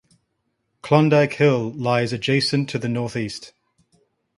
Klondike Hill lies adjacent to the northeast.